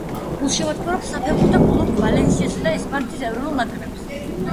გულშემატკივრობს საფეხბურთო კლუბ „ვალენსიასა“ და ესპანეთის ეროვნულ ნაკრებს.